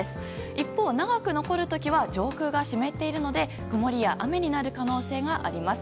一方、長く残る時は上空が湿っているので曇りや雨になる可能性があります。